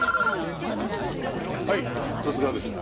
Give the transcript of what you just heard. はい十津川ですが。